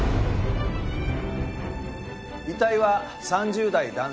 遺体は３０代男性。